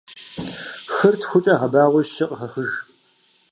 Хыр тхукӏэ гъэбагъуи щы къыхэхыж.